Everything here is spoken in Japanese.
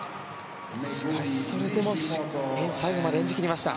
しかし、それでも最後まで演じ切りました。